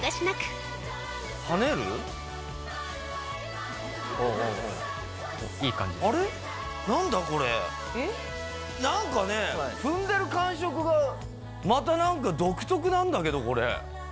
なんかね踏んでる感触がまたなんか独特なんだけどこれ。